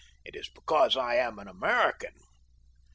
"It is because I am an American."